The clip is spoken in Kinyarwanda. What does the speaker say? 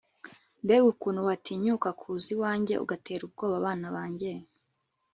mbega ukuntu watinyuka kuza iwanjye ugatera ubwoba bana banjye